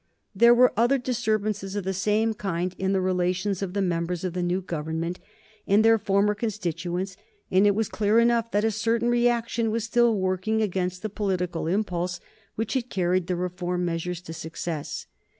There were other disturbances of the same kind in the relations of the members of the new Government and their former constituents, and it was clear enough that a certain reaction was still working against the political impulse which had carried the Reform measures to success.